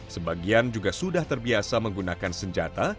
sebagian juga sudah terbiasa menggunakan senjata